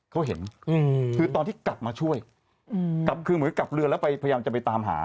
เขาเห็นอืมคือตอนที่กลับมาช่วยกลับคือเหมือนกลับเรือแล้วไปพยายามจะไปตามหา